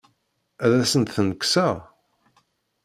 Ad asen-tent-kkseɣ?